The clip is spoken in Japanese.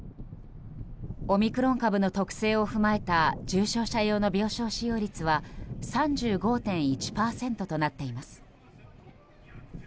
オミクロン株の特性を踏まえた重症者用の病床使用率は３５．１％となっています。